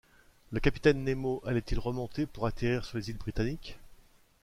Le capitaine Nemo allait-il remonter pour atterrir sur les îles Britanniques ?